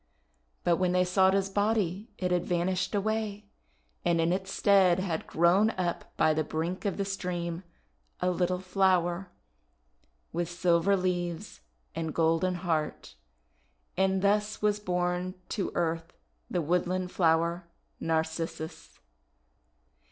But when they sought his body it had van ished away, and in its stead had grown up by the brink of the stream a little flower, with silver leaves and golden heart, — and thus was born to earth the woodland flower, Narcissus.